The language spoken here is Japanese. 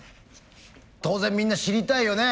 当然みんな知りたいよね。